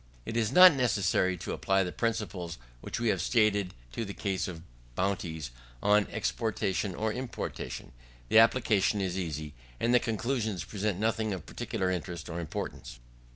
It is not necessary to apply the principles which we have stated to the case of bounties on exportation or importation. The application is easy, and the conclusions present nothing of particular interest or importance.